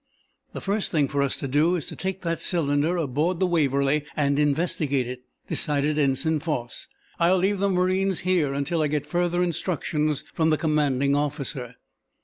"The first thing for us to do is to take that cylinder aboard the 'Waverly' and investigate it," decided Ensign Foss. "I'll leave the marines here until I get further instructions from the commanding officer."